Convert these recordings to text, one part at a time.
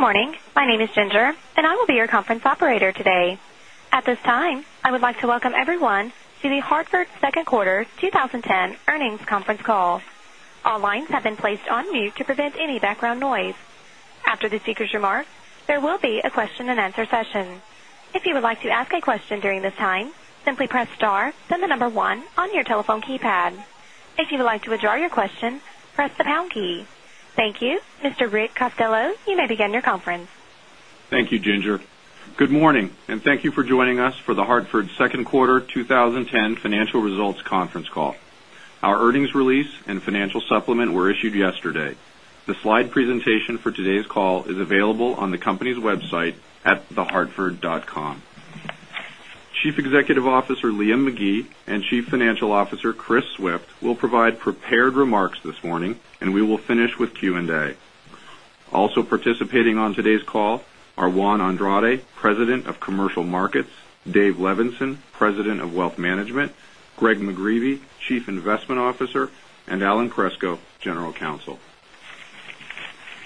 Good morning. My name is Ginger, and I will be your conference operator today. At this time, I would like to welcome everyone to The Hartford second quarter 2010 earnings conference call. All lines have been placed on mute to prevent any background noise. After the speakers' remarks, there will be a question and answer session. If you would like to ask a question during this time, simply press star, then the number one on your telephone keypad. If you would like to withdraw your question, press the pound key. Thank you. Mr. Rick Costello, you may begin your conference. Thank you, Ginger. Good morning, and thank you for joining us for The Hartford second quarter 2010 financial results conference call. Our earnings release and financial supplement were issued yesterday. The slide presentation for today's call is available on the company's website at thehartford.com. Chief Executive Officer, Liam McGee, and Chief Financial Officer, Chris Swift, will provide prepared remarks this morning. We will finish with Q&A. Also participating on today's call are Juan Andrade, President of Commercial Markets, Dave Levenson, President of Wealth Management, Greg McGreevey, Chief Investment Officer, and Alan Kreczko, General Counsel.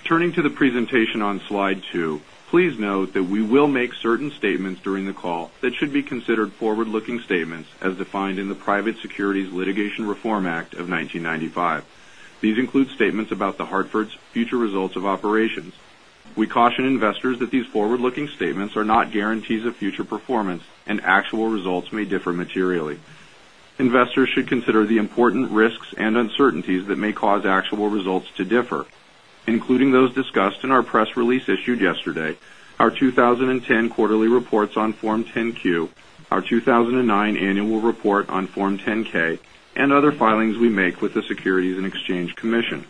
Turning to the presentation on slide two, please note that we will make certain statements during the call that should be considered forward-looking statements as defined in the Private Securities Litigation Reform Act of 1995. These include statements about The Hartford's future results of operations. We caution investors that these forward-looking statements are not guarantees of future performance. Actual results may differ materially. Investors should consider the important risks and uncertainties that may cause actual results to differ, including those discussed in our press release issued yesterday, our 2010 quarterly reports on Form 10-Q, our 2009 annual report on Form 10-K, and other filings we make with the Securities and Exchange Commission.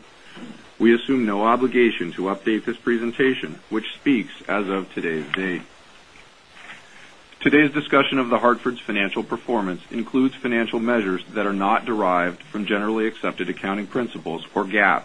We assume no obligation to update this presentation, which speaks as of today's date. Today's discussion of The Hartford's financial performance includes financial measures that are not derived from generally accepted accounting principles, or GAAP.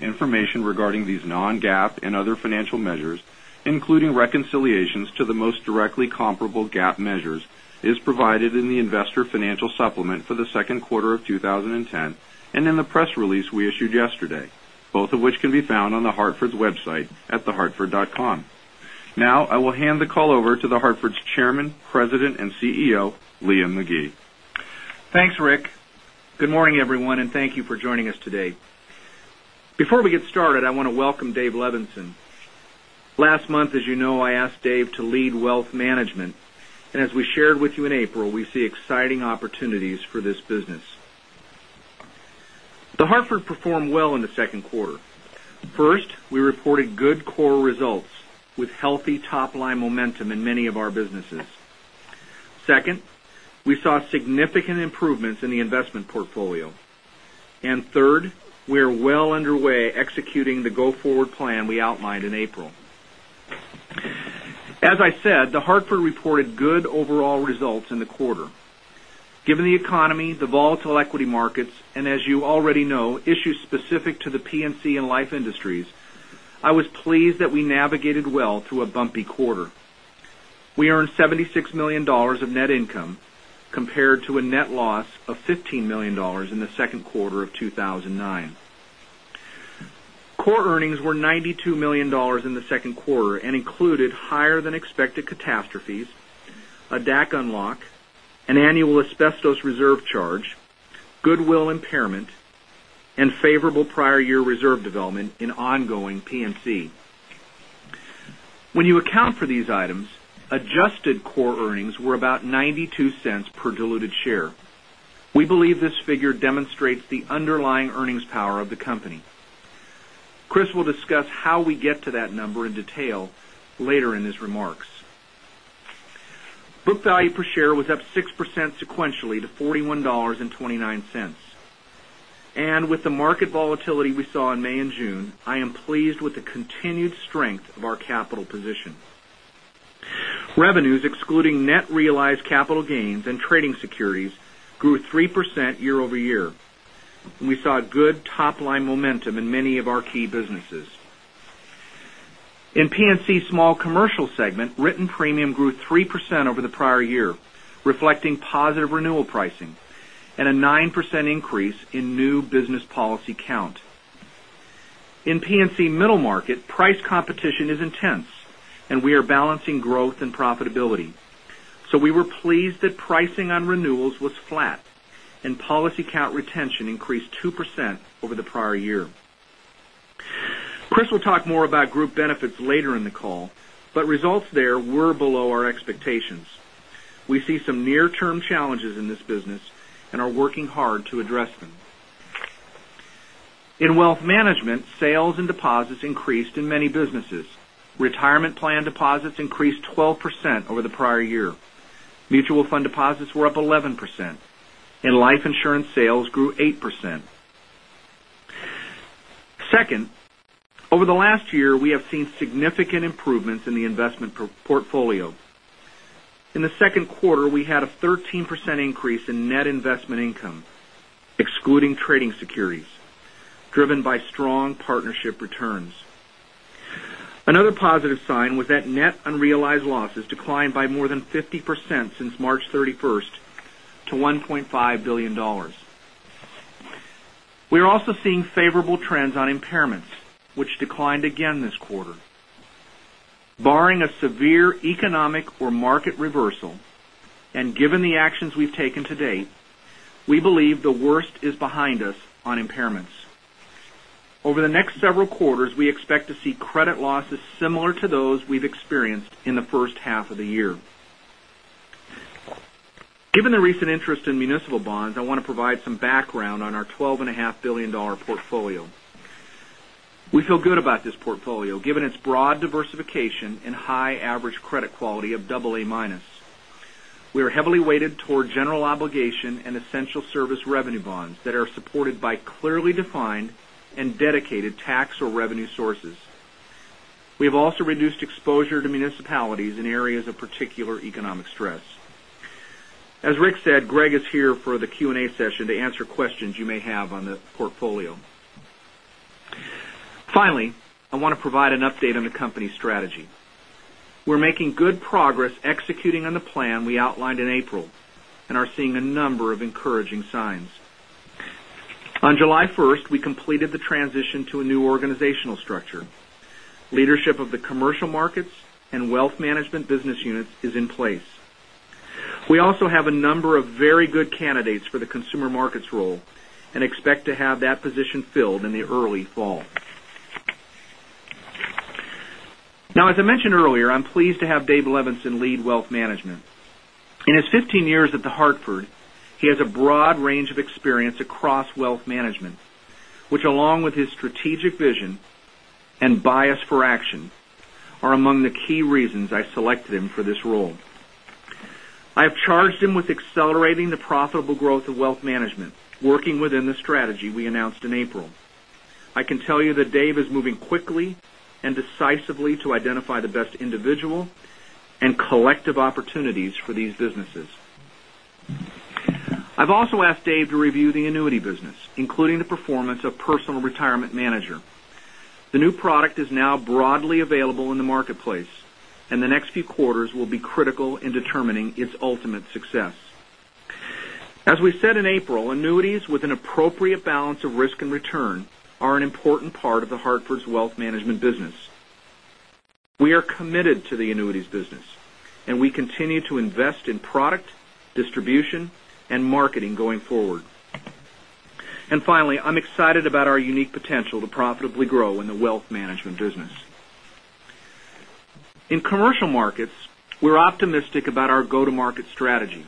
Information regarding these non-GAAP and other financial measures, including reconciliations to the most directly comparable GAAP measures, is provided in the investor financial supplement for the second quarter of 2010. In the press release we issued yesterday, both of which can be found on The Hartford's website at thehartford.com. Now, I will hand the call over to The Hartford's Chairman, President, and CEO, Liam McGee. Thanks, Rick. Good morning, everyone, and thank you for joining us today. Before we get started, I want to welcome Dave Levenson. Last month, as you know, I asked Dave to lead wealth management, and as we shared with you in April, we see exciting opportunities for this business. The Hartford performed well in the second quarter. First, we reported good core results with healthy top-line momentum in many of our businesses. Second, we saw significant improvements in the investment portfolio. Third, we are well underway executing the go-forward plan we outlined in April. As I said, The Hartford reported good overall results in the quarter. Given the economy, the volatile equity markets, and as you already know, issues specific to the P&C and life industries, I was pleased that we navigated well through a bumpy quarter. We earned $76 million of net income compared to a net loss of $15 million in the second quarter of 2009. Core earnings were $92 million in the second quarter and included higher than expected catastrophes, a DAC unlock, an annual asbestos reserve charge, goodwill impairment, and favorable prior year reserve development in ongoing P&C. When you account for these items, adjusted core earnings were about $0.92 per diluted share. We believe this figure demonstrates the underlying earnings power of the company. Chris will discuss how we get to that number in detail later in his remarks. Book value per share was up 6% sequentially to $41.29. With the market volatility we saw in May and June, I am pleased with the continued strength of our capital position. Revenues excluding net realized capital gains and trading securities grew 3% year-over-year. We saw good top-line momentum in many of our key businesses. In P&C small commercial segment, written premium grew 3% over the prior year, reflecting positive renewal pricing and a 9% increase in new business policy count. In P&C middle market, price competition is intense, and we are balancing growth and profitability. We were pleased that pricing on renewals was flat and policy count retention increased 2% over the prior year. Chris will talk more about Group Benefits later in the call, but results there were below our expectations. We see some near-term challenges in this business and are working hard to address them. In wealth management, sales and deposits increased in many businesses. Retirement plan deposits increased 12% over the prior year. Mutual fund deposits were up 11%, and life insurance sales grew 8%. Second, over the last year, we have seen significant improvements in the investment portfolio. In the second quarter, we had a 13% increase in net investment income, excluding trading securities, driven by strong partnership returns. Another positive sign was that net unrealized losses declined by more than 50% since March 31st to $1.5 billion. We are also seeing favorable trends on impairments, which declined again this quarter. Barring a severe economic or market reversal, and given the actions we've taken to date, we believe the worst is behind us on impairments. Over the next several quarters, we expect to see credit losses similar to those we've experienced in the first half of the year. Given the recent interest in municipal bonds, I want to provide some background on our $12.5 billion portfolio. We feel good about this portfolio given its broad diversification and high average credit quality of AA-minus. We are heavily weighted toward general obligation and essential service revenue bonds that are supported by clearly defined and dedicated tax or revenue sources. We have also reduced exposure to municipalities in areas of particular economic stress. As Rick said, Greg is here for the Q&A session to answer questions you may have on the portfolio. Finally, I want to provide an update on the company strategy. We're making good progress executing on the plan we outlined in April, and are seeing a number of encouraging signs. On July 1st, we completed the transition to a new organizational structure. Leadership of the Commercial Markets and Wealth Management business units is in place. We also have a number of very good candidates for the Consumer Markets role and expect to have that position filled in the early fall. As I mentioned earlier, I'm pleased to have Dave Levenson lead Wealth Management. In his 15 years at The Hartford, he has a broad range of experience across Wealth Management, which, along with his strategic vision and bias for action, are among the key reasons I selected him for this role. I have charged him with accelerating the profitable growth of Wealth Management, working within the strategy we announced in April. I can tell you that Dave is moving quickly and decisively to identify the best individual and collective opportunities for these businesses. I've also asked Dave to review the annuity business, including the performance of Personal Retirement Manager. The new product is now broadly available in the marketplace, and the next few quarters will be critical in determining its ultimate success. As we said in April, annuities with an appropriate balance of risk and return are an important part of The Hartford's Wealth Management business. We are committed to the annuities business, and we continue to invest in product, distribution, and marketing going forward. Finally, I'm excited about our unique potential to profitably grow in the Wealth Management business. In Commercial Markets, we're optimistic about our go-to-market strategy.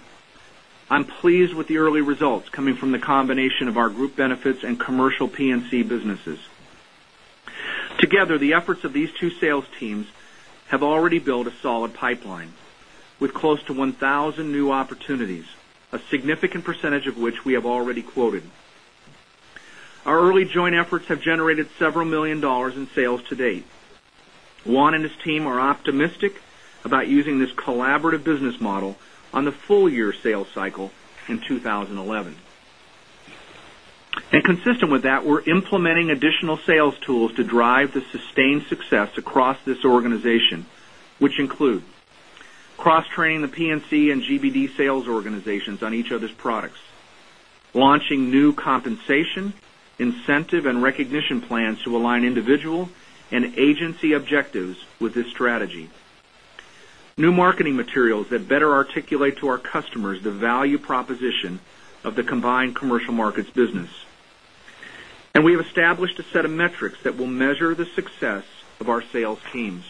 I'm pleased with the early results coming from the combination of our Group Benefits and commercial P&C businesses. Together, the efforts of these two sales teams have already built a solid pipeline with close to 1,000 new opportunities, a significant percentage of which we have already quoted. Our early joint efforts have generated several million dollars in sales to date. Juan and his team are optimistic about using this collaborative business model on the full-year sales cycle in 2011. Consistent with that, we're implementing additional sales tools to drive the sustained success across this organization, which include cross-training the P&C and GBD sales organizations on each other's products, launching new compensation, incentive, and recognition plans to align individual and agency objectives with this strategy. New marketing materials that better articulate to our customers the value proposition of the combined Commercial Markets business. We have established a set of metrics that will measure the success of our sales teams.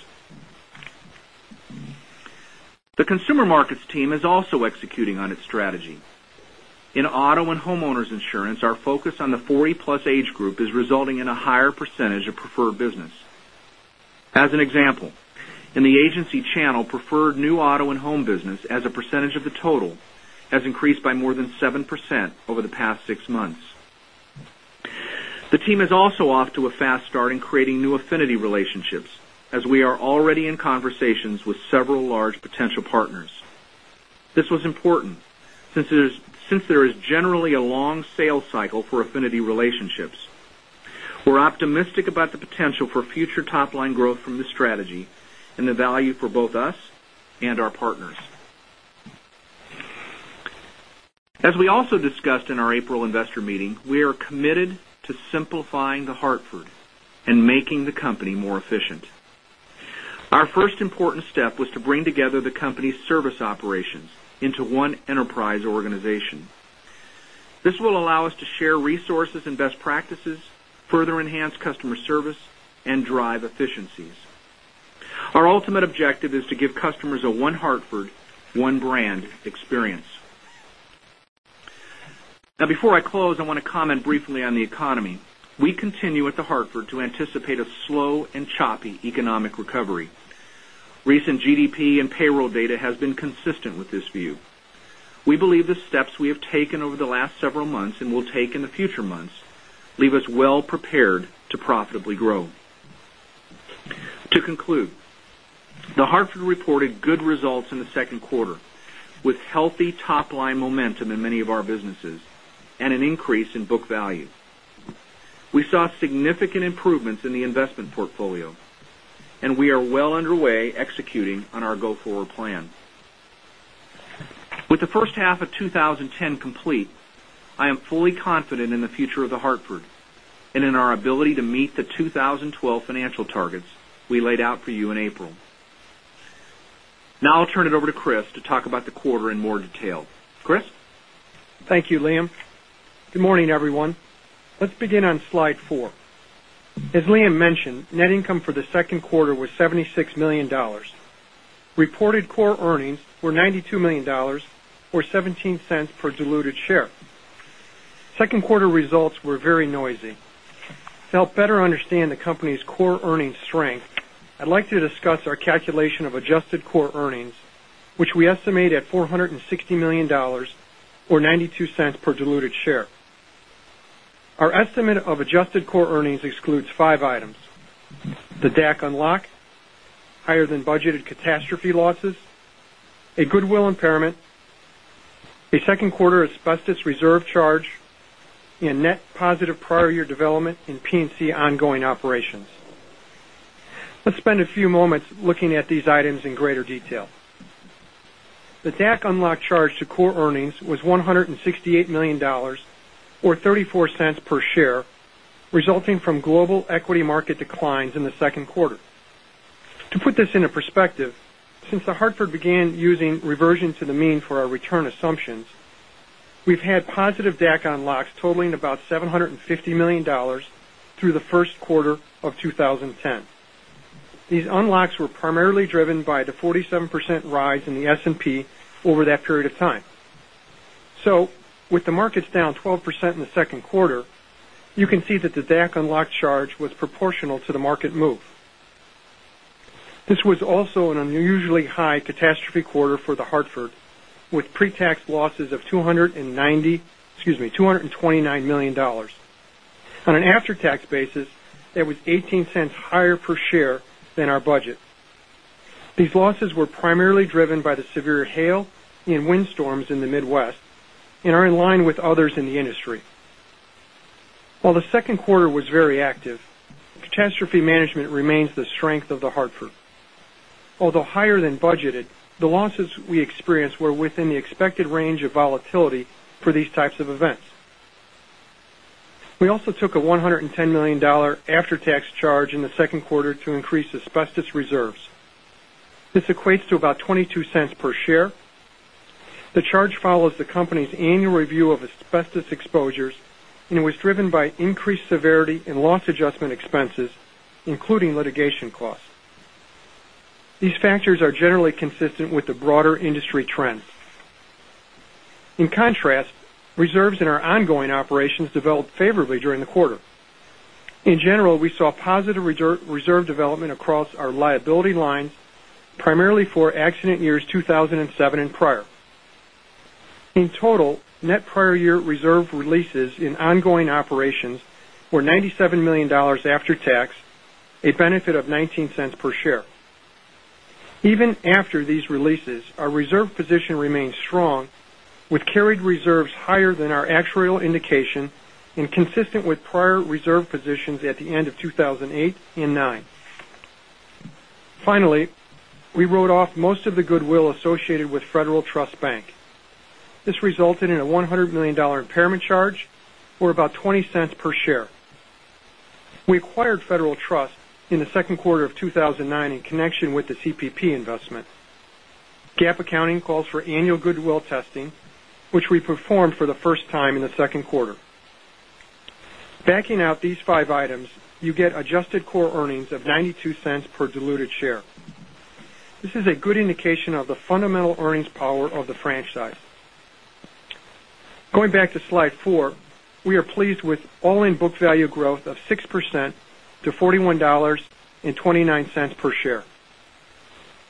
The Consumer Markets team is also executing on its strategy. In auto and homeowners insurance, our focus on the 40-plus age group is resulting in a higher percentage of preferred business. As an example, in the agency channel, preferred new auto and home business as a percentage of the total has increased by more than 7% over the past six months. The team is also off to a fast start in creating new affinity relationships, as we are already in conversations with several large potential partners. This was important since there is generally a long sales cycle for affinity relationships. We are optimistic about the potential for future top-line growth from this strategy and the value for both us and our partners. As we also discussed in our April investor meeting, we are committed to simplifying The Hartford and making the company more efficient. Our first important step was to bring together the company's service operations into one enterprise organization. This will allow us to share resources and best practices, further enhance customer service, and drive efficiencies. Our ultimate objective is to give customers a one Hartford, one brand experience. Now, before I close, I want to comment briefly on the economy. We continue at The Hartford to anticipate a slow and choppy economic recovery. Recent GDP and payroll data has been consistent with this view. We believe the steps we have taken over the last several months and will take in the future months leave us well prepared to profitably grow. To conclude, The Hartford reported good results in the second quarter, with healthy top-line momentum in many of our businesses and an increase in book value. We saw significant improvements in the investment portfolio, and we are well underway executing on our go-forward plan. With the first half of 2010 complete, I am fully confident in the future of The Hartford and in our ability to meet the 2012 financial targets we laid out for you in April. Now I will turn it over to Chris to talk about the quarter in more detail. Chris? Thank you, Liam. Good morning, everyone. Let's begin on slide four. As Liam mentioned, net income for the second quarter was $76 million. Reported core earnings were $92 million, or $0.17 per diluted share. Second quarter results were very noisy. To help better understand the company's core earnings strength, I would like to discuss our calculation of adjusted core earnings, which we estimate at $460 million, or $0.92 per diluted share. Our estimate of adjusted core earnings excludes five items: the DAC unlock, higher than budgeted catastrophe losses, a goodwill impairment, a second quarter asbestos reserve charge, and net positive prior year development in P&C ongoing operations. Let's spend a few moments looking at these items in greater detail. The DAC unlock charge to core earnings was $168 million, or $0.34 per share, resulting from global equity market declines in the second quarter. To put this into perspective, since The Hartford began using reversion to the mean for our return assumptions, we have had positive DAC unlocks totaling about $750 million through the first quarter of 2010. These unlocks were primarily driven by the 47% rise in the S&P over that period of time. So with the markets down 12% in the second quarter, you can see that the DAC unlock charge was proportional to the market move. This was also an unusually high catastrophe quarter for The Hartford, with pre-tax losses of $290 million, excuse me, $229 million. On an after-tax basis, that was $0.18 higher per share than our budget. These losses were primarily driven by the severe hail and wind storms in the Midwest and are in line with others in the industry. While the second quarter was very active, catastrophe management remains the strength of The Hartford. Although higher than budgeted, the losses we experienced were within the expected range of volatility for these types of events. We also took a $110 million after-tax charge in the second quarter to increase asbestos reserves. This equates to about $0.22 per share. The charge follows the company's annual review of asbestos exposures and was driven by increased severity and loss adjustment expenses, including litigation costs. These factors are generally consistent with the broader industry trends. In contrast, reserves in our ongoing operations developed favorably during the quarter. In general, we saw positive reserve development across our liability lines, primarily for accident years 2007 and prior. In total, net prior year reserve releases in ongoing operations were $97 million after tax, a benefit of $0.19 per share. Even after these releases, our reserve position remains strong, with carried reserves higher than our actuarial indication and consistent with prior reserve positions at the end of 2008 and 2009. Finally, we wrote off most of the goodwill associated with Federal Trust Bank. This resulted in a $100 million impairment charge, or about $0.20 per share. We acquired Federal Trust in the second quarter of 2009 in connection with the CPP investment. GAAP accounting calls for annual goodwill testing, which we performed for the first time in the second quarter. Backing out these five items, you get adjusted core earnings of $0.92 per diluted share. This is a good indication of the fundamental earnings power of the franchise. Going back to slide four, we are pleased with all-in book value growth of 6% to $41.29 per share.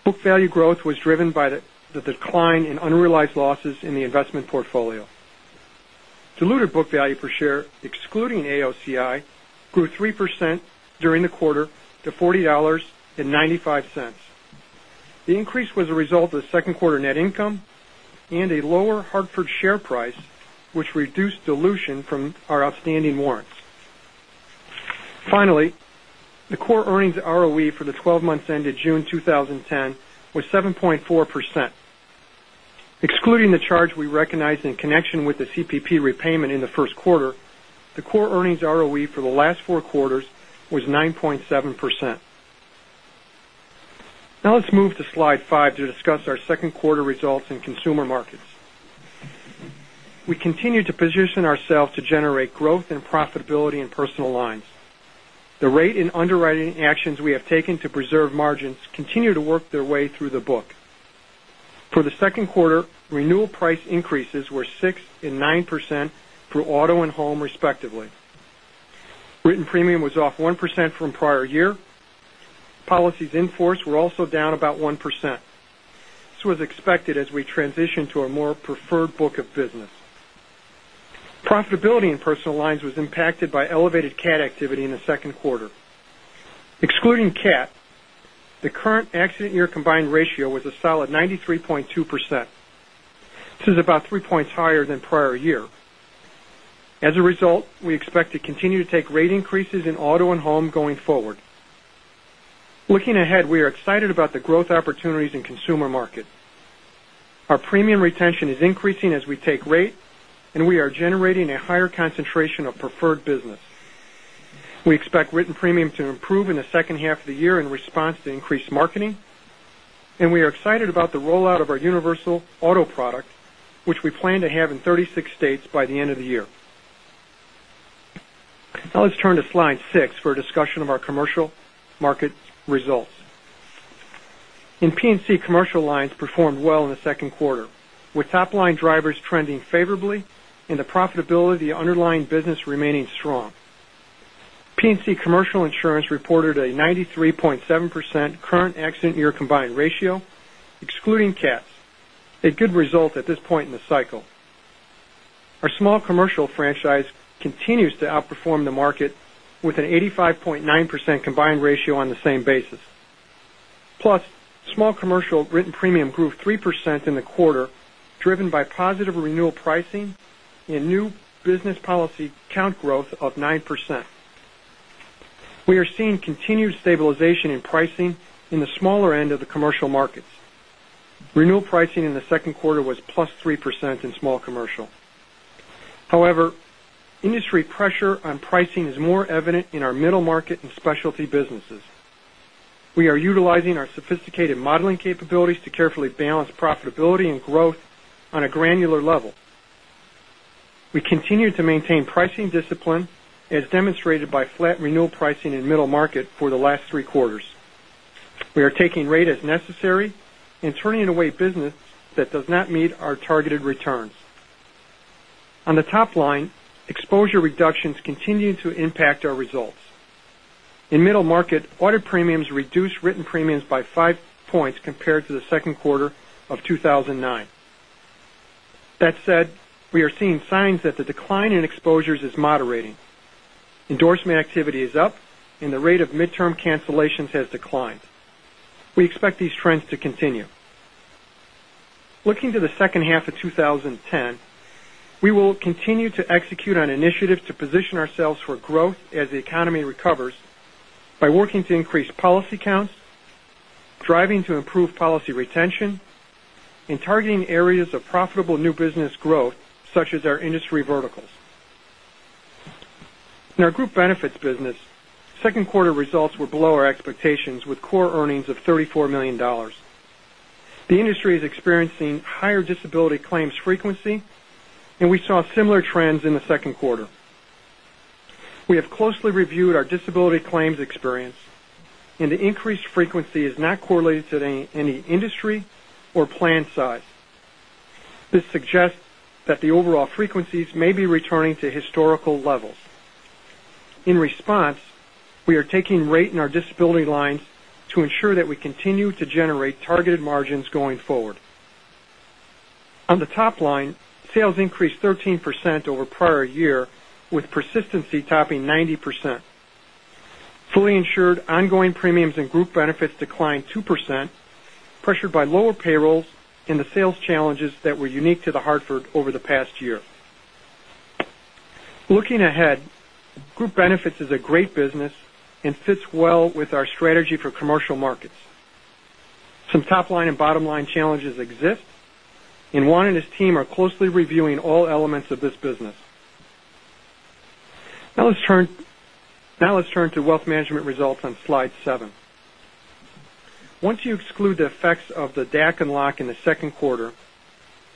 Book value growth was driven by the decline in unrealized losses in the investment portfolio. Diluted book value per share, excluding AOCI, grew 3% during the quarter to $40.95. The increase was a result of second quarter net income and a lower Hartford share price, which reduced dilution from our outstanding warrants. Finally, the core earnings ROE for the 12 months ended June 2010 was 7.4%. Excluding the charge we recognized in connection with the CPP repayment in the first quarter, the core earnings ROE for the last four quarters was 9.7%. Now let's move to slide five to discuss our second quarter results in consumer markets. We continue to position ourselves to generate growth and profitability in personal lines. The rate in underwriting actions we have taken to preserve margins continue to work their way through the book. For the second quarter, renewal price increases were 6% and 9% for auto and home, respectively. Written premium was off 1% from prior year. Policies in force were also down about 1%. This was expected as we transition to a more preferred book of business. Profitability in personal lines was impacted by elevated cat activity in the second quarter. Excluding cat, the current accident year combined ratio was a solid 93.2%. This is about three points higher than prior year. As a result, we expect to continue to take rate increases in auto and home going forward. Looking ahead, we are excited about the growth opportunities in consumer markets. Our premium retention is increasing as we take rate, and we are generating a higher concentration of preferred business. We expect written premium to improve in the second half of the year in response to increased marketing, and we are excited about the rollout of our universal auto product, which we plan to have in 36 states by the end of the year. Now let's turn to slide six for a discussion of our Commercial Markets results. In P&C, commercial lines performed well in the second quarter, with top-line drivers trending favorably and the profitability underlying business remaining strong. P&C Commercial Insurance reported a 93.7% current accident year combined ratio, excluding cats, a good result at this point in the cycle. Our small commercial franchise continues to outperform the market with an 85.9% combined ratio on the same basis. Plus, small commercial written premium grew 3% in the quarter, driven by positive renewal pricing and new business policy count growth of 9%. We are seeing continued stabilization in pricing in the smaller end of the Commercial Markets. Renewal pricing in the second quarter was +3% in small commercial. However, industry pressure on pricing is more evident in our Middle Market and specialty businesses. We are utilizing our sophisticated modeling capabilities to carefully balance profitability and growth on a granular level. We continue to maintain pricing discipline, as demonstrated by flat renewal pricing in Middle Market for the last three quarters. We are taking rate as necessary and turning away business that does not meet our targeted returns. On the top line, exposure reductions continue to impact our results. In Middle Market, audit premiums reduced written premiums by five points compared to the second quarter of 2009. That said, we are seeing signs that the decline in exposures is moderating. Endorsement activity is up, and the rate of midterm cancellations has declined. We expect these trends to continue. Looking to the second half of 2010, we will continue to execute on initiatives to position ourselves for growth as the economy recovers by working to increase policy counts, driving to improve policy retention, and targeting areas of profitable new business growth such as our industry verticals. In our Group Benefits business, second quarter results were below our expectations, with core earnings of $34 million. The industry is experiencing higher disability claims frequency, and we saw similar trends in the second quarter. We have closely reviewed our disability claims experience, and the increased frequency is not correlated to any industry or plan size. This suggests that the overall frequencies may be returning to historical levels. In response, we are taking rate in our disability lines to ensure that we continue to generate targeted margins going forward. On the top line, sales increased 13% over prior year, with persistency topping 90%. Fully insured ongoing premiums and Group Benefits declined 2%, pressured by lower payrolls and the sales challenges that were unique to The Hartford over the past year. Looking ahead, Group Benefits is a great business and fits well with our strategy for Commercial Markets. Some top-line and bottom-line challenges exist, and Juan and his team are closely reviewing all elements of this business. Now let's turn to Wealth Management results on slide seven. Once you exclude the effects of the DAC unlock in the second quarter,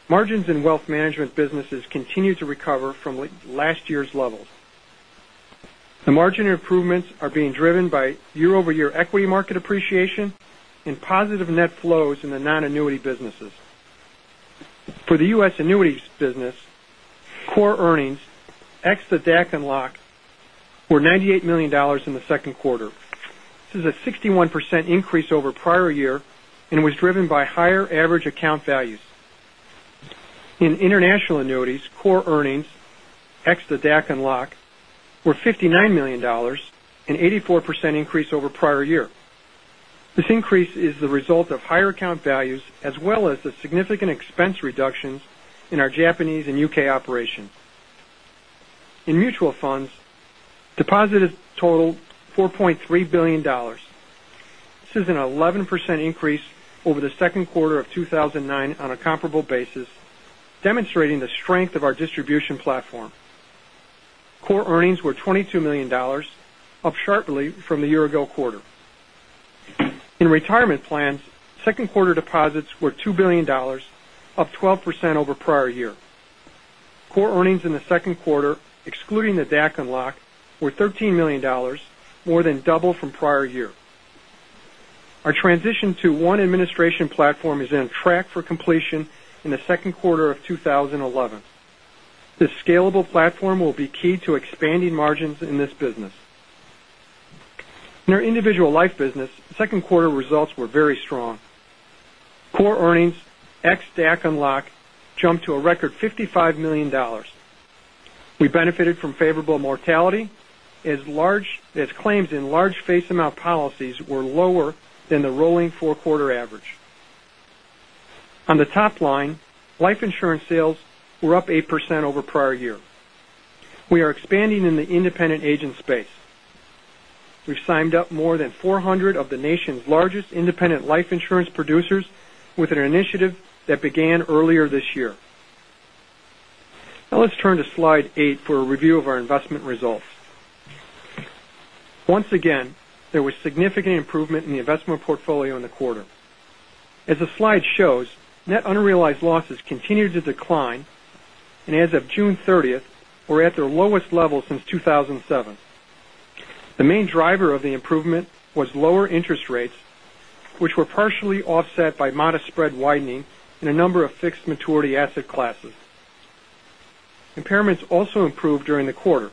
margins in Wealth Management businesses continue to recover from last year's levels. The margin improvements are being driven by year-over-year equity market appreciation and positive net flows in the non-annuity businesses. For the U.S. annuities business, core earnings, ex the DAC unlock, were $98 million in the second quarter. This is a 61% increase over prior year and was driven by higher average account values. In international annuities, core earnings, ex the DAC unlock, were $59 million, an 84% increase over prior year. This increase is the result of higher account values as well as the significant expense reductions in our Japanese and U.K. operations. In mutual funds, deposit has totaled $4.3 billion. This is an 11% increase over the second quarter of 2009 on a comparable basis, demonstrating the strength of our distribution platform. Core earnings were $22 million, up sharply from the year ago quarter. In retirement plans, second quarter deposits were $2 billion, up 12% over prior year. Core earnings in the second quarter, excluding the DAC unlock, were $13 million, more than double from prior year. Our transition to one administration platform is on track for completion in the second quarter of 2011. This scalable platform will be key to expanding margins in this business. In our individual life business, second quarter results were very strong. Core earnings, ex DAC unlock, jumped to a record $55 million. We benefited from favorable mortality as claims in large face amount policies were lower than the rolling four-quarter average. On the top line, life insurance sales were up 8% over prior year. We are expanding in the independent agent space. We've signed up more than 400 of the nation's largest independent life insurance producers with an initiative that began earlier this year. Now let's turn to slide eight for a review of our investment results. Once again, there was significant improvement in the investment portfolio in the quarter. As the slide shows, net unrealized losses continued to decline, and as of June 30th, were at their lowest level since 2007. The main driver of the improvement was lower interest rates, which were partially offset by modest spread widening in a number of fixed maturity asset classes. Impairments also improved during the quarter.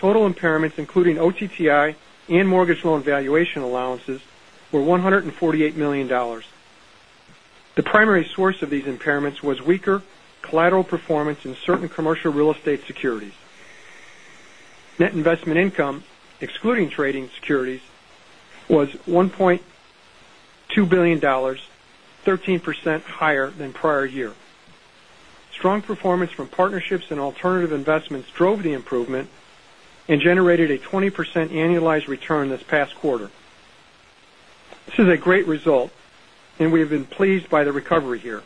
Total impairments, including OTTI and mortgage loan valuation allowances, were $148 million. The primary source of these impairments was weaker collateral performance in certain commercial real estate securities. Net investment income, excluding trading securities, was $1.2 billion, 13% higher than prior year. Strong performance from partnerships and alternative investments drove the improvement and generated a 20% annualized return this past quarter. This is a great result, and we have been pleased by the recovery here.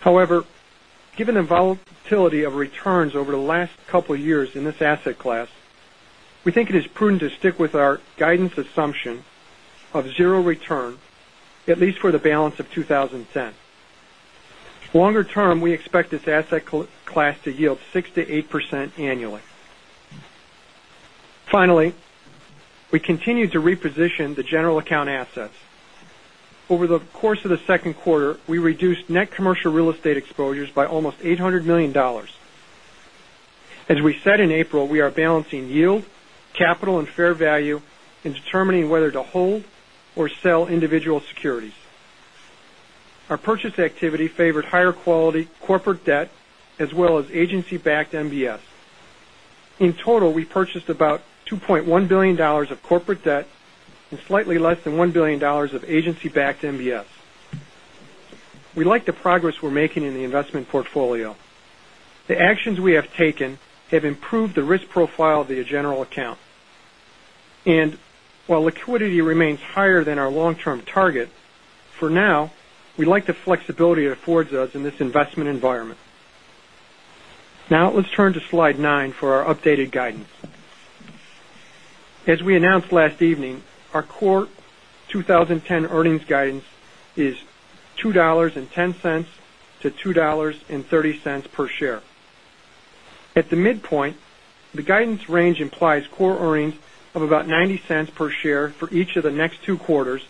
However, given the volatility of returns over the last couple of years in this asset class, we think it is prudent to stick with our guidance assumption of zero return, at least for the balance of 2010. Longer term, we expect this asset class to yield 6%-8% annually. Finally, we continue to reposition the general account assets. Over the course of the second quarter, we reduced net commercial real estate exposures by almost $800 million. As we said in April, we are balancing yield, capital, and fair value in determining whether to hold or sell individual securities. Our purchase activity favored higher quality corporate debt as well as agency-backed MBS. In total, we purchased about $2.1 billion of corporate debt and slightly less than $1 billion of agency-backed MBS. We like the progress we're making in the investment portfolio. The actions we have taken have improved the risk profile of the general account. While liquidity remains higher than our long-term target, for now, we like the flexibility it affords us in this investment environment. Let's turn to slide nine for our updated guidance. As we announced last evening, our core 2010 earnings guidance is $2.10 to $2.30 per share. At the midpoint, the guidance range implies core earnings of about $0.90 per share for each of the next two quarters,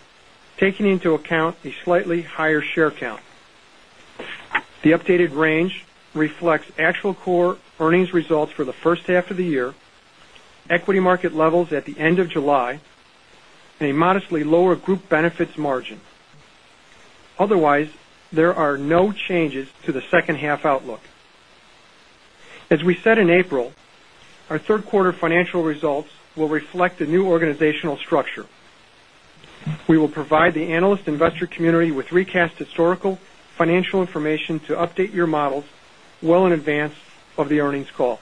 taking into account a slightly higher share count. The updated range reflects actual core earnings results for the first half of the year, equity market levels at the end of July, and a modestly lower Group Benefits margin. Otherwise, there are no changes to the second half outlook. As we said in April, our third quarter financial results will reflect the new organizational structure. We will provide the analyst investor community with recast historical financial information to update your models well in advance of the earnings call.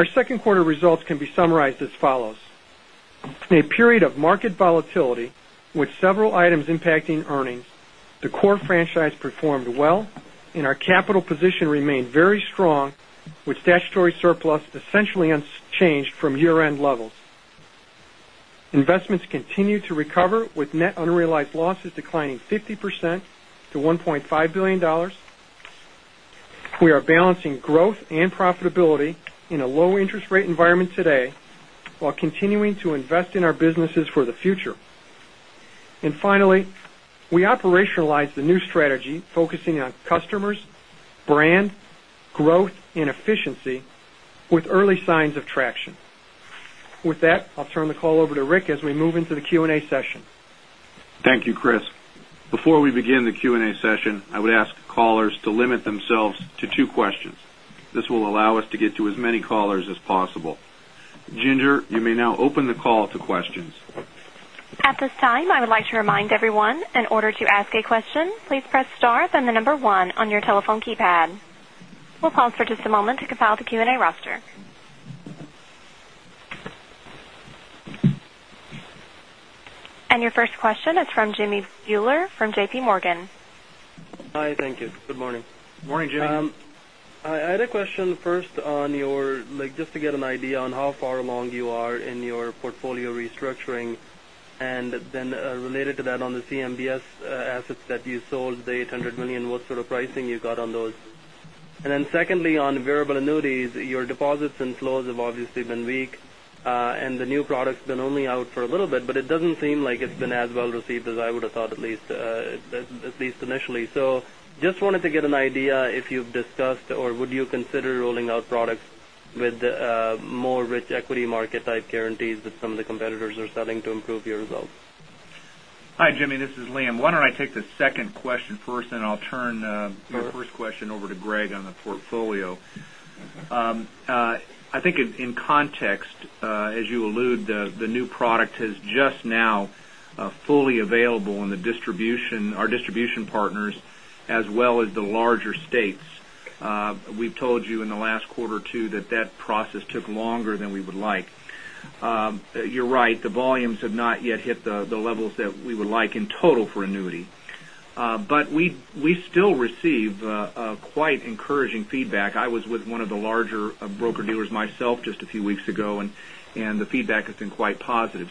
Our second quarter results can be summarized as follows. In a period of market volatility with several items impacting earnings, the core franchise performed well and our capital position remained very strong with statutory surplus essentially unchanged from year-end levels. Investments continue to recover with net unrealized losses declining 50% to $1.5 billion. We are balancing growth and profitability in a low interest rate environment today while continuing to invest in our businesses for the future. Finally, we operationalized the new strategy focusing on customers, brand, growth, and efficiency with early signs of traction. With that, I'll turn the call over to Rick as we move into the Q&A session. Thank you, Chris. Before we begin the Q&A session, I would ask callers to limit themselves to two questions. This will allow us to get to as many callers as possible. Ginger, you may now open the call to questions. At this time, I would like to remind everyone, in order to ask a question, please press star, then the number one on your telephone keypad. We'll pause for just a moment to compile the Q&A roster. Your first question is from Jimmy Bhullar from J.P. Morgan. Hi, thank you. Good morning. Morning, Jimmy. I had a question first just to get an idea on how far along you are in your portfolio restructuring, and then related to that on the CMBS assets that you sold, the $800 million, what sort of pricing you got on those. Secondly, on variable annuities, your deposits and flows have obviously been weak, and the new product's been only out for a little bit, but it doesn't seem like it's been as well received as I would have thought, at least initially. Just wanted to get an idea if you've discussed or would you consider rolling out products with more rich equity market type guarantees that some of the competitors are selling to improve your results? Hi, Jimmy, this is Liam. Why don't I take the second question first, and I'll turn your first question over to Gregory on the portfolio. I think in context, as you allude, the new product is just now fully available in our distribution partners, as well as the larger states. We've told you in the last quarter too, that that process took longer than we would like. You're right, the volumes have not yet hit the levels that we would like in total for annuity. We still receive quite encouraging feedback. I was with one of the larger broker-dealers myself just a few weeks ago, and the feedback has been quite positive.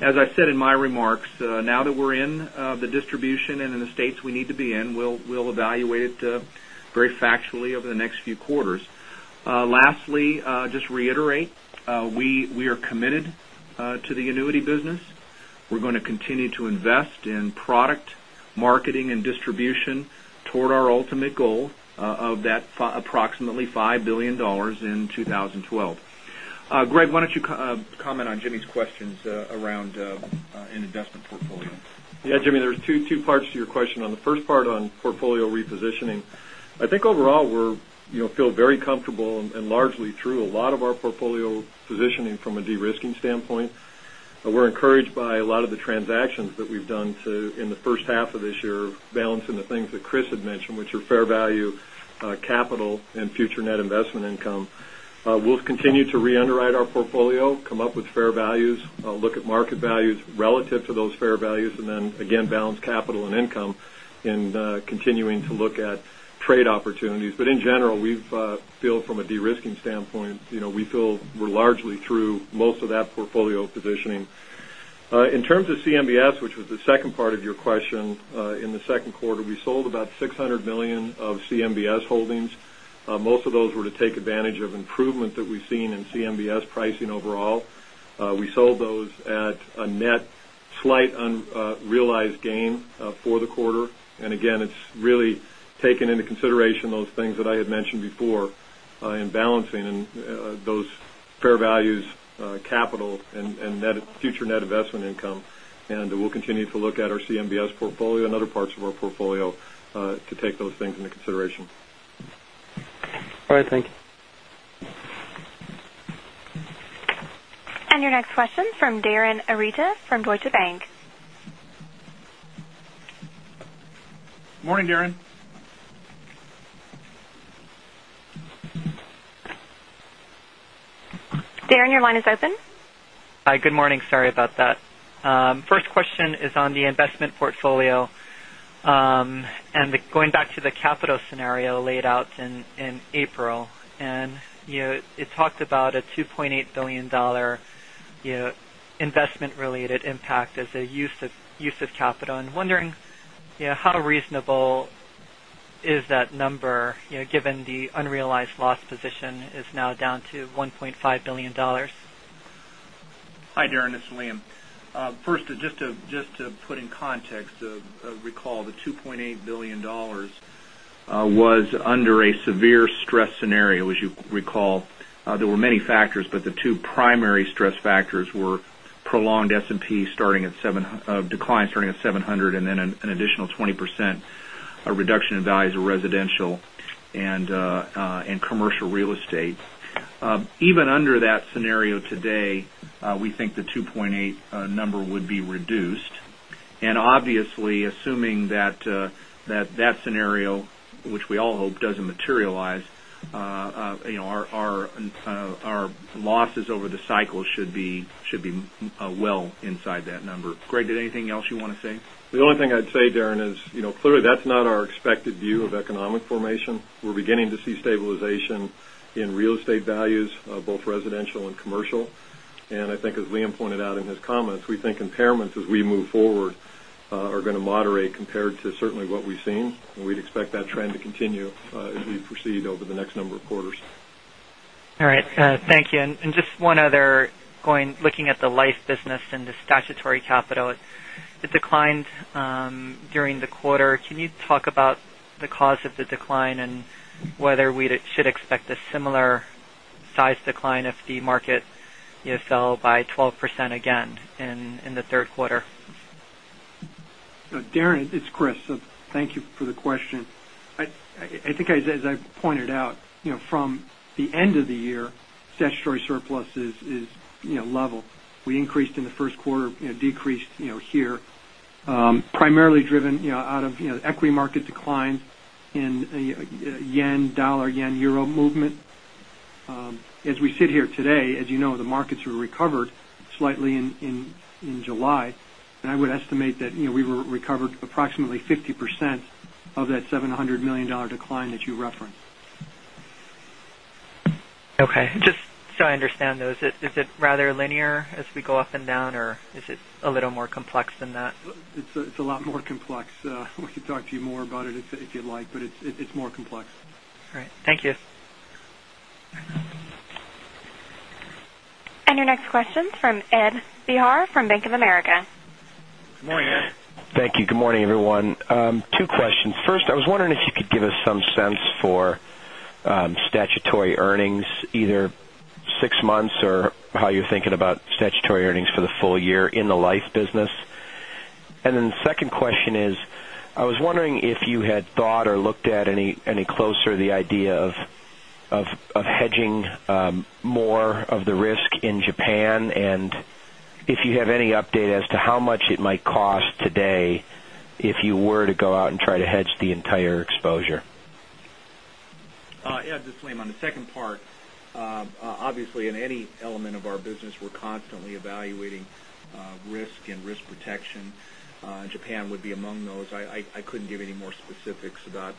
As I said in my remarks, now that we're in the distribution and in the states we need to be in, we'll evaluate it very factually over the next few quarters. Lastly, just reiterate, we are committed to the annuity business. We're going to continue to invest in product, marketing, and distribution toward our ultimate goal of that approximately $5 billion in 2012. Greg, why don't you comment on Jimmy's questions around investment portfolio? Yeah, Jimmy, there's two parts to your question. On the first part on portfolio repositioning, I think overall we feel very comfortable and largely true. A lot of our portfolio positioning from a de-risking standpoint, we're encouraged by a lot of the transactions that we've done in the first half of this year, balancing the things that Chris had mentioned, which are fair value, capital, and future net investment income. We'll continue to re-underwrite our portfolio, come up with fair values, look at market values relative to those fair values, and then again, balance capital and income in continuing to look at trade opportunities. In general, we feel from a de-risking standpoint, we feel we're largely through most of that portfolio positioning. In terms of CMBS, which was the second part of your question. In the second quarter, we sold about $600 million of CMBS holdings. Most of those were to take advantage of improvement that we've seen in CMBS pricing overall. We sold those at a net slight unrealized gain for the quarter. Again, it's really taken into consideration those things that I had mentioned before in balancing those fair values, capital, and future net investment income. We'll continue to look at our CMBS portfolio and other parts of our portfolio to take those things into consideration. All right. Thank you. Your next question from Darin Arita from Deutsche Bank. Morning, Darin. Darin, your line is open. Hi, good morning. Sorry about that. First question is on the investment portfolio. Going back to the capital scenario laid out in April, it talked about a $2.8 billion investment related impact as a use of capital. I'm wondering, how reasonable is that number, given the unrealized loss position is now down to $1.5 billion? Hi, Darin. This is Liam. First, just to put in context of recall, the $2.8 billion was under a severe stress scenario. As you recall, there were many factors, but the two primary stress factors were prolonged S&P decline starting at 700 and then an additional 20% reduction in value as a residential and commercial real estate. Even under that scenario today, we think the 2.8 number would be reduced. And obviously, assuming that scenario, which we all hope doesn't materialize, our losses over the cycle should be well inside that number. Greg, did anything else you want to say? The only thing I'd say, Darin, is clearly that's not our expected view of economic formation. We're beginning to see stabilization in real estate values, both residential and commercial. And I think as Liam pointed out in his comments, we think impairments, as we move forward, are going to moderate compared to certainly what we've seen, and we'd expect that trend to continue as we proceed over the next number of quarters. All right. Thank you. Just one other, looking at the life business and the statutory capital, it declined during the quarter. Can you talk about the cause of the decline and whether we should expect a similar size decline if the market fell by 12% again in the third quarter? Darin, it's Chris. Thank you for the question. I think as I pointed out, from the end of the year, statutory surplus is level. We increased in the first quarter, decreased here. Primarily driven out of equity market declines in dollar-yen, euro movement. As we sit here today, as you know, the markets were recovered slightly in July, and I would estimate that we were recovered approximately 50% of that $700 million decline that you referenced. Okay. Just so I understand, though, is it rather linear as we go up and down, or is it a little more complex than that? It's a lot more complex. We could talk to you more about it if you'd like, but it's more complex. All right. Thank you. Your next question from Ed Spehar from Bank of America. Good morning, Ed. Thank you. Good morning, everyone. Two questions. First, I was wondering if you could give us some sense for statutory earnings, either six months or how you're thinking about statutory earnings for the full year in the life business. The second question is, I was wondering if you had thought or looked at any closer the idea of hedging more of the risk in Japan and If you have any update as to how much it might cost today if you were to go out and try to hedge the entire exposure. Ed, this is Liam. On the second part, obviously in any element of our business, we're constantly evaluating risk and risk protection. Japan would be among those. I couldn't give any more specifics about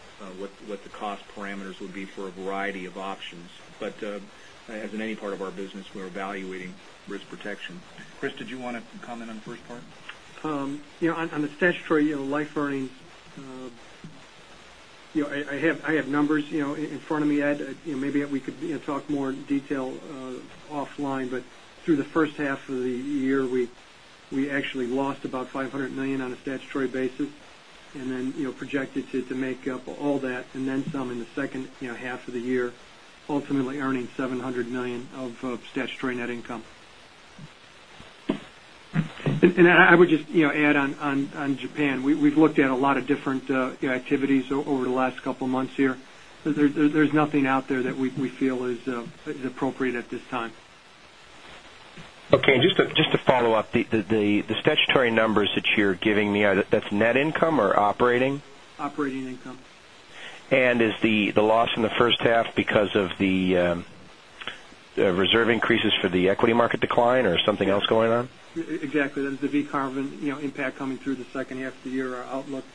what the cost parameters would be for a variety of options. As in any part of our business, we're evaluating risk protection. Chris, did you want to comment on the first part? On the statutory life earnings, I have numbers in front of me, Ed. Maybe we could talk more in detail offline, but through the first half of the year, we actually lost about $500 million on a statutory basis. Projected to make up all that and then some in the second half of the year, ultimately earning $700 million of statutory net income. I would just add on Japan. We've looked at a lot of different activities over the last couple of months here. There's nothing out there that we feel is appropriate at this time. Okay, just to follow up, the statutory numbers that you're giving me, that's net income or operating? Operating income. Is the loss in the first half because of the reserve increases for the equity market decline or something else going on? Exactly. There's the VCARB impact coming through the second half of the year. Our outlook,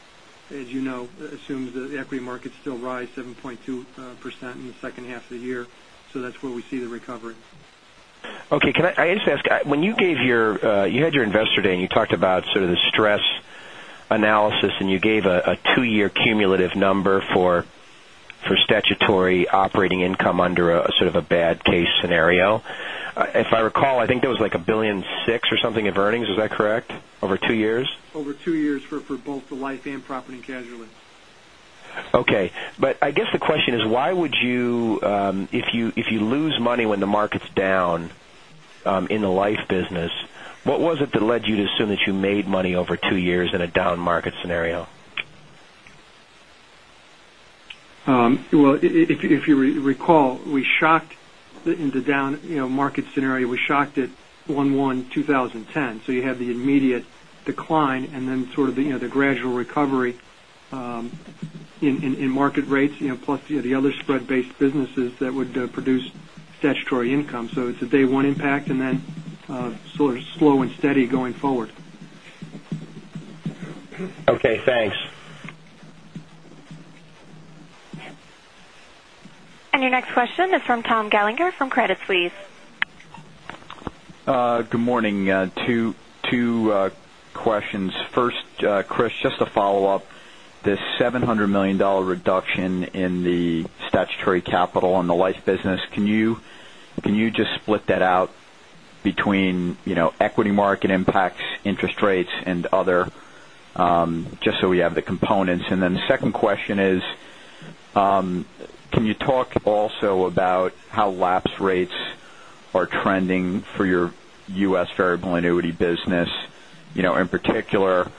as you know, assumes the equity markets still rise 7.2% in the second half of the year. That's where we see the recovery. Okay. Can I just ask, when you had your investor day, and you talked about sort of the stress analysis, you gave a two-year cumulative number for statutory operating income under a sort of a bad case scenario. If I recall, I think that was like $1.6 billion or something of earnings. Is that correct? Over two years? Over two years for both the life and property and casualty. Okay. I guess the question is, if you lose money when the market's down in the life business, what was it that led you to assume that you made money over two years in a down market scenario? Well, if you recall, in the down market scenario, we shocked it 1/1/2010. You had the immediate decline and then sort of the gradual recovery in market rates, plus the other spread-based businesses that would produce statutory income. It's a day one impact and then sort of slow and steady going forward. Okay, thanks. Your next question is from Tom Gallagher from Credit Suisse. Good morning. Two questions. First, Chris, just to follow up, this $700 million reduction in the statutory capital in the life business, can you just split that out between equity market impacts, interest rates, and other, just so we have the components? The second question is, can you talk also about how lapse rates are trending for your U.S. variable annuity business? In particular,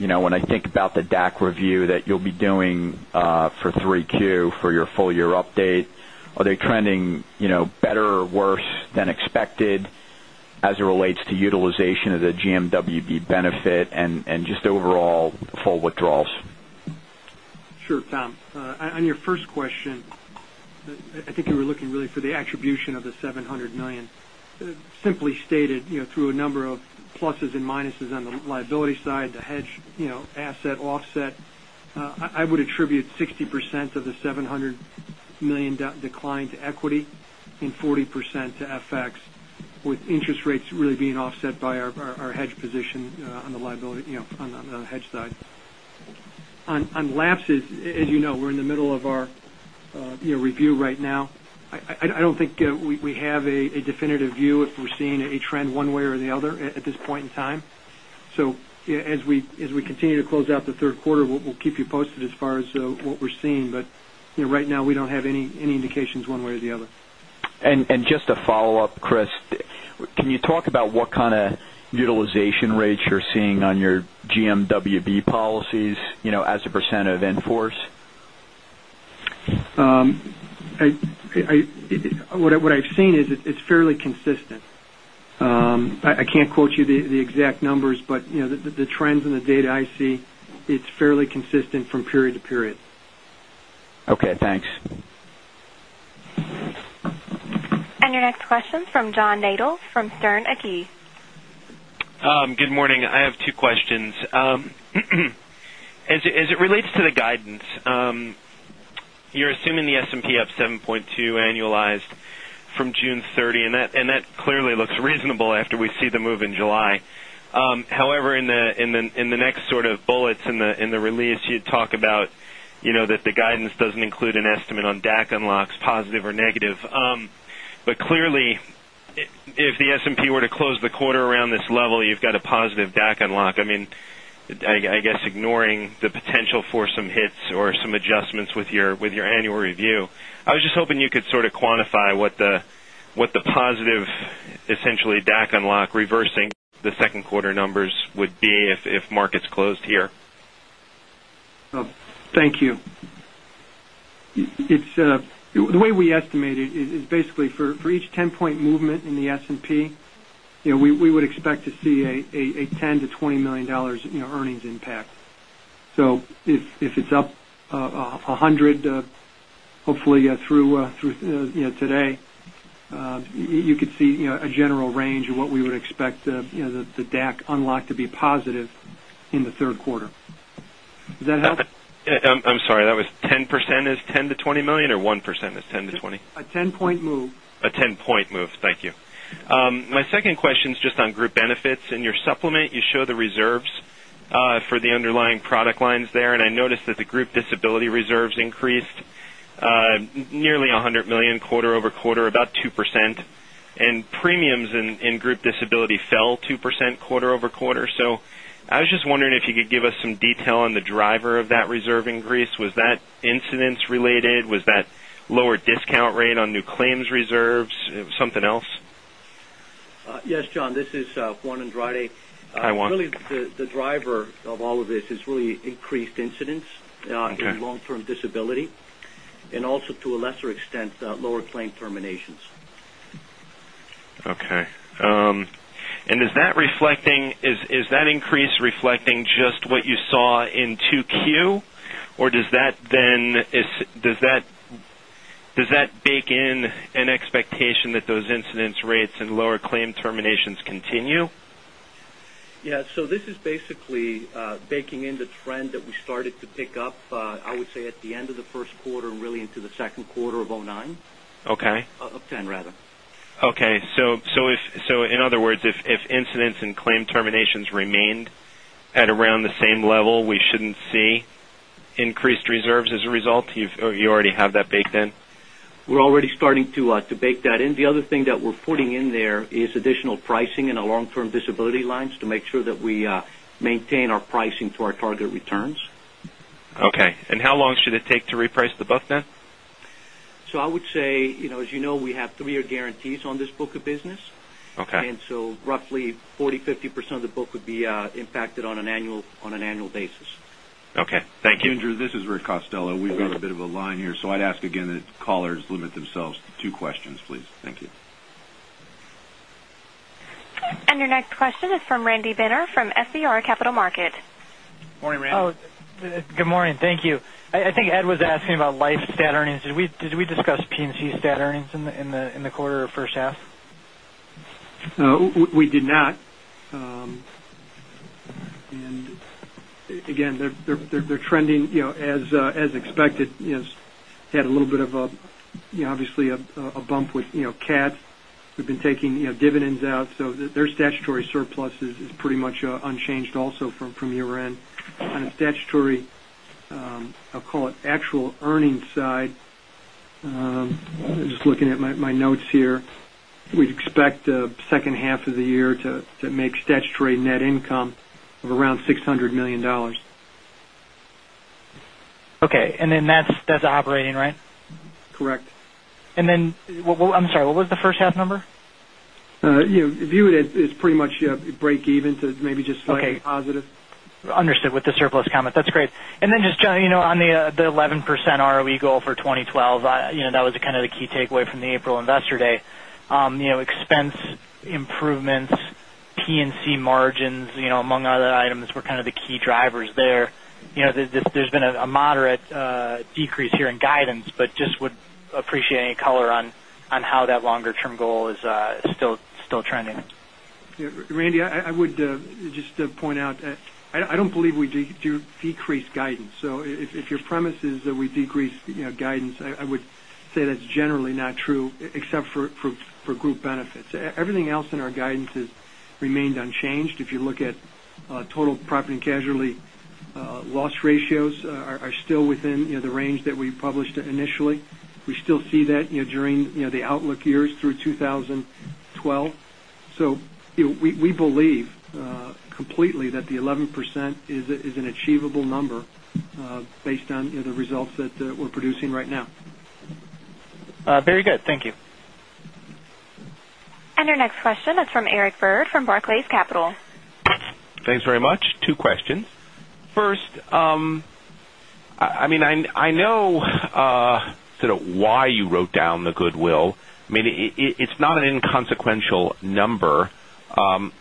when I think about the DAC review that you'll be doing for 3Q for your full-year update, are they trending better or worse than expected as it relates to utilization of the GMWB benefit and just overall full withdrawals? Sure, Tom. On your first question, I think you were looking really for the attribution of the $700 million. Simply stated, through a number of pluses and minuses on the liability side, the hedge asset offset, I would attribute 60% of the $700 million decline to equity and 40% to FX, with interest rates really being offset by our hedge position on the hedge side. On lapses, as you know, we're in the middle of our review right now. I don't think we have a definitive view if we're seeing a trend one way or the other at this point in time. As we continue to close out the third quarter, we'll keep you posted as far as what we're seeing. Right now, we don't have any indications one way or the other. Just to follow up, Chris, can you talk about what kind of utilization rates you're seeing on your GMWB policies as a % of in-force? What I've seen is it's fairly consistent. I can't quote you the exact numbers, but the trends and the data I see, it's fairly consistent from period to period. Okay, thanks. Your next question from John Nadel from Sterne Agee. Good morning. I have two questions. As it relates to the guidance, you're assuming the S&P up 7.2% annualized from June 30, that clearly looks reasonable after we see the move in July. However, in the next sort of bullets in the release, you talk about that the guidance doesn't include an estimate on DAC unlocks, positive or negative. Clearly, if the S&P were to close the quarter around this level, you've got a positive DAC unlock. I guess ignoring the potential for some hits or some adjustments with your annual review. I was just hoping you could sort of quantify what the positive essentially DAC unlock reversing the second quarter numbers would be if markets closed here. Thank you. The way we estimate it is basically for each 10-point movement in the S&P, we would expect to see a $10 million-$20 million earnings impact. If it's up 100, hopefully through today, you could see a general range of what we would expect the DAC unlock to be positive in the third quarter. Does that help? I'm sorry, that was 10% is $10 million-$20 million or 1% is $10-$20? A 10-point move. A 10-point move. Thank you. My second question is just on group benefits. In your supplement, you show the reserves for the underlying product lines there. I noticed that the group disability reserves increased nearly $100 million quarter-over-quarter, about 2%. Premiums in group disability fell 2% quarter-over-quarter. I was just wondering if you could give us some detail on the driver of that reserve increase. Was that incidence related? Was that lower discount rate on new claims reserves? Something else? Yes, John, this is Juan Andrade. Hi, Juan. Really, the driver of all of this is really increased incidence- Okay in long-term disability, and also to a lesser extent, lower claim terminations. Okay. Is that increase reflecting just what you saw in 2Q, or does that bake in an expectation that those incidence rates and lower claim terminations continue? Yeah, this is basically baking in the trend that we started to pick up, I would say at the end of the first quarter and really into the second quarter of 2009. Okay. Of 2010, rather. Okay. In other words, if incidence and claim terminations remained at around the same level, we shouldn't see increased reserves as a result? You already have that baked in? We're already starting to bake that in. The other thing that we're putting in there is additional pricing in our Long-Term Disability lines to make sure that we maintain our pricing to our target returns. Okay. How long should it take to reprice the book then? I would say, as you know, we have three-year guarantees on this book of business. Okay. Roughly 40%-50% of the book would be impacted on an annual basis. Okay. Thank you. Ginger, this is Rick Costello. We've got a bit of a line here, so I'd ask again that callers limit themselves to two questions, please. Thank you. Your next question is from Randy Binner from FBR Capital Markets. Morning, Randy. Good morning. Thank you. I think Ed was asking about life stat earnings. Did we discuss P&C stat earnings in the quarter or first half? We did not. Again, they're trending as expected. Had a little bit of, obviously, a bump with CAT. We've been taking dividends out. Their statutory surplus is pretty much unchanged also from year-end. On a statutory, I'll call it actual earnings side, just looking at my notes here, we'd expect the second half of the year to make statutory net income of around $600 million. Okay. That's operating, right? Correct. I'm sorry, what was the first half number? View it as pretty much breakeven to maybe just slightly positive. Okay. Understood with the surplus comment. That's great. Just, John, on the 11% ROE goal for 2012, that was kind of the key takeaway from the April investor day. Expense improvements, P&C margins, among other items were kind of the key drivers there. There's been a moderate decrease here in guidance, just would appreciate any color on how that longer-term goal is still trending. Randy, I would just point out, I don't believe we decreased guidance. If your premise is that we decreased guidance, I would say that's generally not true except for Group Benefits. Everything else in our guidance has remained unchanged. If you look at total property and casualty loss ratios are still within the range that we published initially. We still see that during the outlook years through 2012. We believe completely that the 11% is an achievable number based on the results that we're producing right now. Very good. Thank you. Your next question is from Eric Berg from Barclays Capital. Thanks very much. Two questions. First, I know why you wrote down the goodwill. It's not an inconsequential number.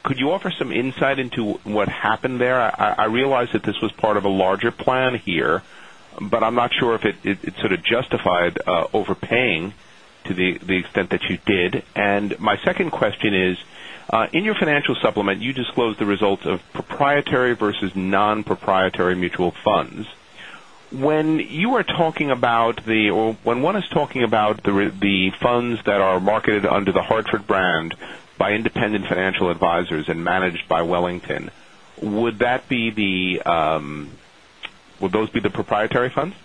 Could you offer some insight into what happened there? I realize that this was part of a larger plan here, but I'm not sure if it sort of justified overpaying to the extent that you did. My second question is, in your financial supplement, you disclosed the results of proprietary versus non-proprietary mutual funds. When one is talking about the funds that are marketed under The Hartford brand by independent financial advisors and managed by Wellington, would those be the proprietary funds?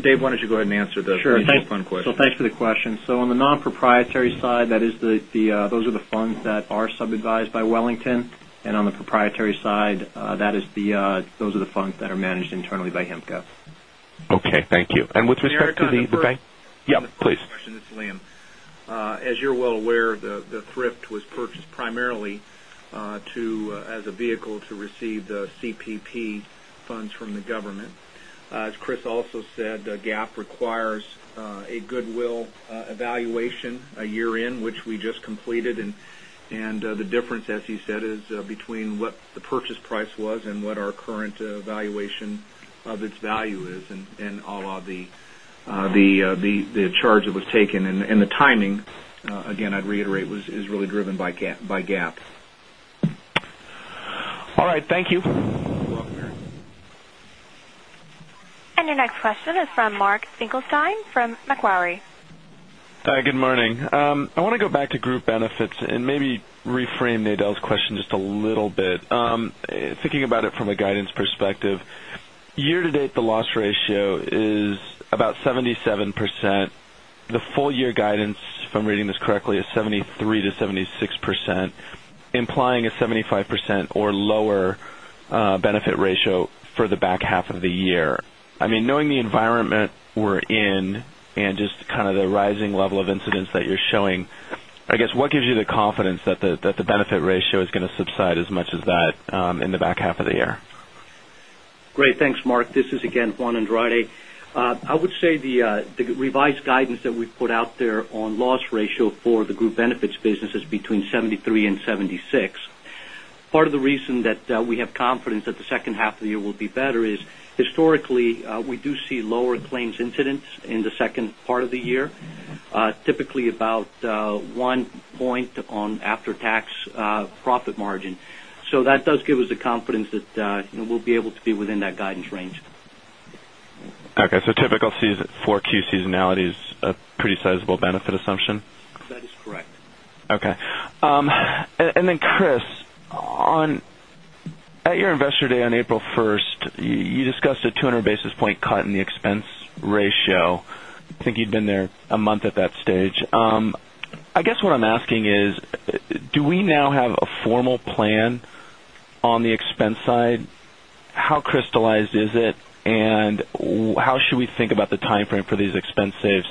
Dave, why don't you go ahead and answer the mutual fund question? Sure. Thanks for the question. On the non-proprietary side, those are the funds that are sub-advised by Wellington. On the proprietary side, those are the funds that are managed internally by HIMCO. Okay. Thank you. With respect to the bank- Yeah, please. This is Liam. As you're well aware, the thrift was purchased primarily as a vehicle to receive the CPP funds from the government. As Chris also said, GAAP requires a goodwill evaluation a year in, which we just completed, and the difference, as he said, is between what the purchase price was and what our current valuation of its value is, and all of the charge that was taken. The timing, again, I'd reiterate, is really driven by GAAP. All right. Thank you. You're welcome. Your next question is from Mark Finkelstein from Macquarie. Hi, good morning. I want to go back to Group Benefits and maybe reframe Nadel's question just a little bit. Thinking about it from a guidance perspective, year to date, the loss ratio is about 77%. The full year guidance, if I'm reading this correctly, is 73%-76%, implying a 75% or lower benefit ratio for the back half of the year. Knowing the environment we're in and just kind of the rising level of incidents that you're showing, I guess what gives you the confidence that the benefit ratio is going to subside as much as that in the back half of the year? Great. Thanks, Mark. This is again, Juan Andrade. I would say the revised guidance that we've put out there on loss ratio for the Group Benefits business is between 73% and 76%. Part of the reason that we have confidence that the second half of the year will be better is historically, we do see lower claims incidents in the second part of the year, typically about one point on after-tax profit margin. That does give us the confidence that we'll be able to be within that guidance range. Okay, typical 4Q seasonality is a pretty sizable benefit assumption? That is correct. Okay. Chris, at your Investor Day on April 1st, you discussed a 200 basis point cut in the expense ratio. I think you'd been there a month at that stage. I guess what I'm asking is, do we now have a formal plan on the expense side? How crystallized is it, and how should we think about the timeframe for these expense saves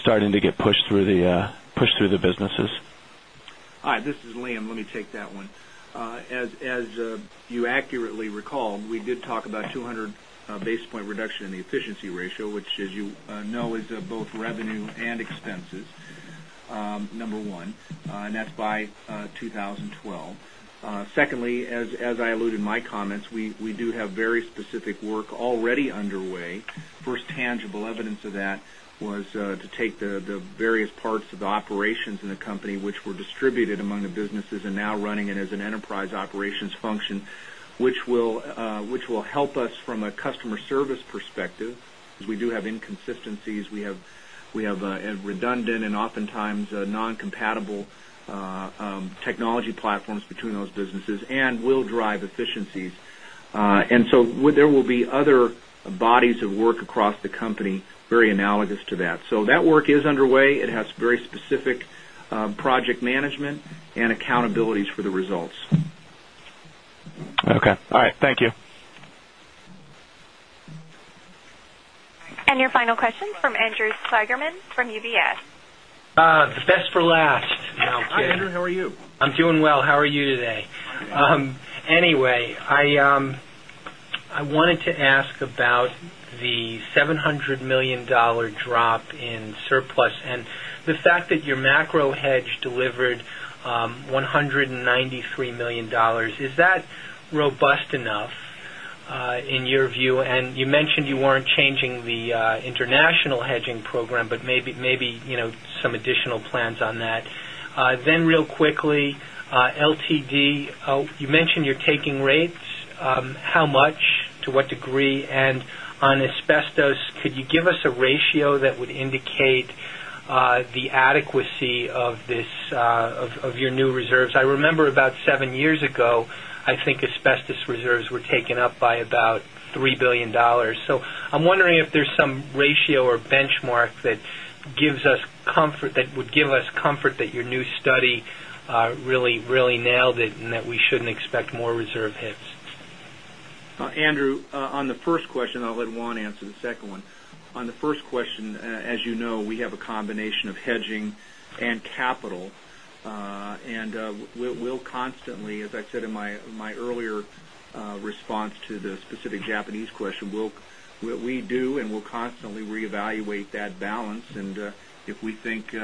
starting to get pushed through the businesses? Hi, this is Liam. Let me take that one. As you accurately recall, we did talk about 200 basis point reduction in the efficiency ratio, which as you know, is both revenue and expenses, number one. That's by 2012. Secondly, as I alluded in my comments, we do have very specific work already underway. First tangible evidence of that was to take the various parts of the operations in the company which were distributed among the businesses and now running it as an enterprise operations function, which will help us from a customer service perspective, because we do have inconsistencies. We have redundant and oftentimes non-compatible technology platforms between those businesses and will drive efficiencies. There will be other bodies of work across the company very analogous to that. That work is underway. It has very specific project management and accountabilities for the results. Okay. All right. Thank you. Your final question from Andrew Steigerman from UBS. The best for last. No, I'm kidding. Hi, Andrew. How are you? I'm doing well. How are you today? I'm good. I wanted to ask about the $700 million drop in surplus and the fact that your macro hedge delivered $193 million. Is that robust enough in your view? You mentioned you weren't changing the international hedging program, but maybe some additional plans on that. Real quickly, LTD, you mentioned you're taking rates. How much? To what degree? And on asbestos, could you give us a ratio that would indicate the adequacy of your new reserves? I remember about seven years ago, I think asbestos reserves were taken up by about $3 billion. I'm wondering if there's some ratio or benchmark that would give us comfort that your new study really nailed it and that we shouldn't expect more reserve hits. Andrew, on the first question, I'll let Juan answer the second one. On the first question, as you know, we have a combination of hedging and capital. We'll constantly, as I said in my earlier response to the specific Japanese question, we'll constantly reevaluate that balance, and if we think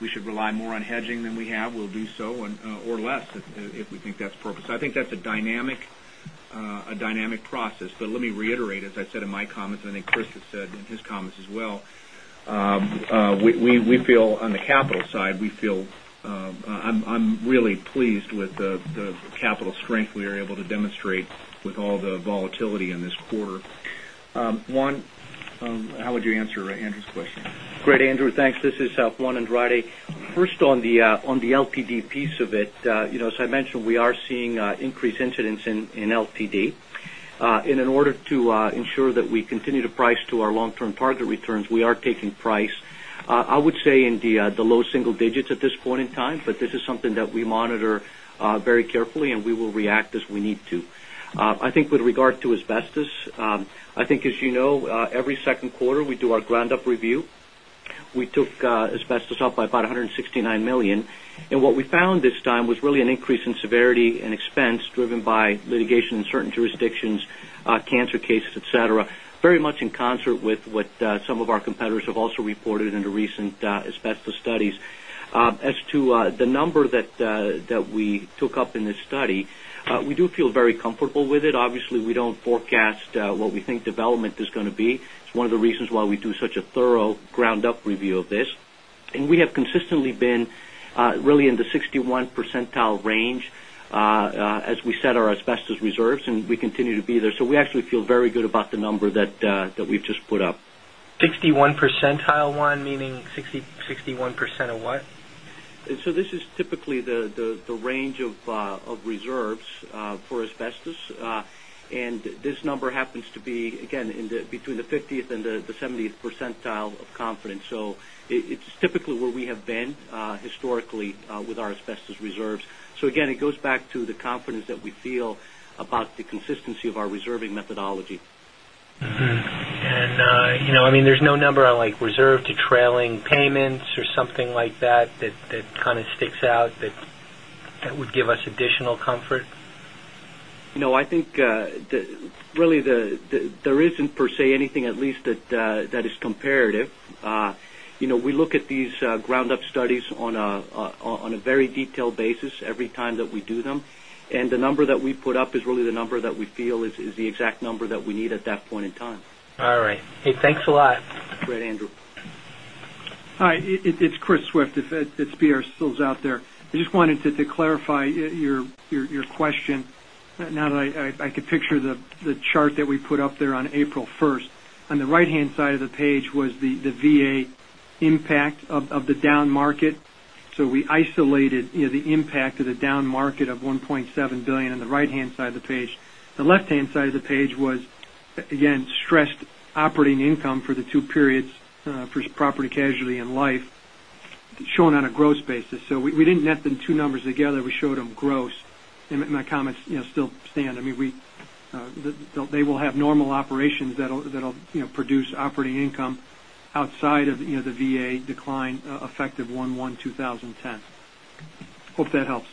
we should rely more on hedging than we have, we'll do so, or less if we think that's appropriate. I think that's a dynamic process. Let me reiterate, as I said in my comments, and I think Chris has said in his comments as well, on the capital side, I'm really pleased with the capital strength we are able to demonstrate with all the volatility in this quarter. Juan, how would you answer Andrew's question? Great, Andrew. Thanks. This is Juan Andrade. First, on the LTD piece of it, as I mentioned, we are seeing increased incidents in LTD. In order to ensure that we continue to price to our long-term target returns, we are taking price I would say in the low single digits at this point in time, this is something that we monitor very carefully, and we will react as we need to. I think with regard to asbestos, I think as you know, every second quarter we do our ground-up review. We took asbestos up by about $169 million. What we found this time was really an increase in severity and expense driven by litigation in certain jurisdictions, cancer cases, et cetera, very much in concert with what some of our competitors have also reported in the recent asbestos studies. As to the number that we took up in this study, we do feel very comfortable with it. Obviously, we don't forecast what we think development is going to be. It's one of the reasons why we do such a thorough ground-up review of this. We have consistently been really in the 61 percentile range as we set our asbestos reserves, and we continue to be there. We actually feel very good about the number that we've just put up. 61 percentile, Juan, meaning 61% of what? This is typically the range of reserves for asbestos. This number happens to be, again, between the 50th and the 70th percentile of confidence. It's typically where we have been historically with our asbestos reserves. Again, it goes back to the confidence that we feel about the consistency of our reserving methodology. There's no number on reserve to trailing payments or something like that that kind of sticks out that would give us additional comfort? I think really there isn't per se anything at least that is comparative. We look at these ground-up studies on a very detailed basis every time that we do them. The number that we put up is really the number that we feel is the exact number that we need at that point in time. All right. Hey, thanks a lot. Great, Andrew. Hi, it's Chris Swift. If UBS still out there. I just wanted to clarify your question now that I could picture the chart that we put up there on April 1st. On the right-hand side of the page was the VA impact of the down market. We isolated the impact of the down market of $1.7 billion on the right-hand side of the page. The left-hand side of the page was, again, stressed operating income for the two periods for property casualty and life shown on a gross basis. We didn't net the two numbers together. We showed them gross. My comments still stand. They will have normal operations that'll produce operating income outside of the VA decline effective 1/1/2010. Hope that helps.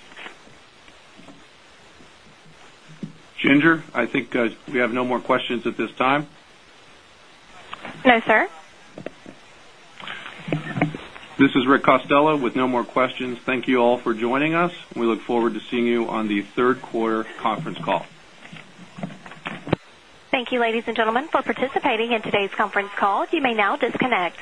Ginger, I think we have no more questions at this time. No, sir. This is Rick Costello. With no more questions, thank you all for joining us. We look forward to seeing you on the third quarter conference call. Thank you, ladies and gentlemen, for participating in today's conference call. You may now disconnect.